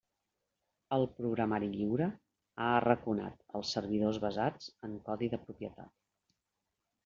El programari lliure ha arraconat els servidors basats en codi de propietat.